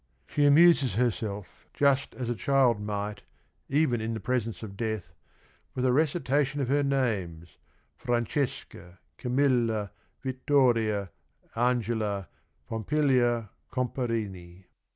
She amuses herself, just as POMPILIA 123 a child might, even in the presence of death, with the recitation of her names, "Francesca Camilla Vittoria Angela Pompilia Comparini."